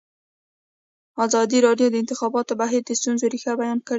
ازادي راډیو د د انتخاباتو بهیر د ستونزو رېښه بیان کړې.